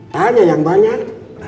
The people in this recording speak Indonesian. tanya yang banyak